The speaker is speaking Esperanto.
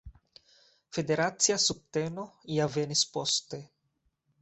Federacia subteno ja venis poste.